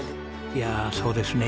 いやそうですね。